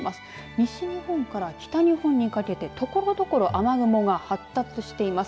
西日本から北日本にかけてところどころ雨雲が発達しています。